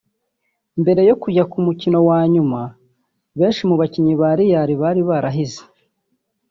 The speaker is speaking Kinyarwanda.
Mbere yo kujya ku mukino wa nyuma benshi mu bakinnyi ba Real bari barahize